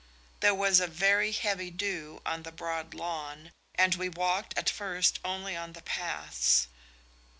There was a very heavy dew on the broad lawn, and we walked at first only on the paths.